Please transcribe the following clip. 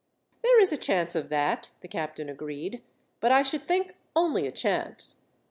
"There is a chance of that," the captain agreed, "but I should think only a chance.